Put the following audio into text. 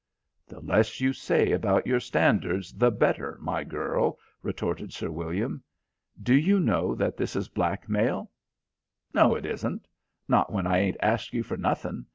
"The less you say about your standards, the better, my girl," retorted Sir William. "Do you know that this is blackmail?" "No, it isn't. Not when I ain't asked you for nothing.